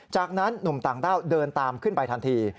จากนั้นหนุ่มต่างด้าวเดินตามขึ้นไปทันที